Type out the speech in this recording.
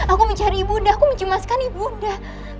aku mencari ibu nda aku menjemaskan ibu nda